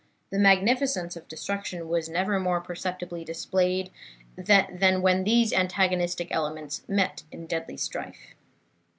The magnificence of destruction was never more perceptibly displayed than when these antagonistic elements met in deadly strife.